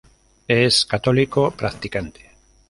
Es católico practicante.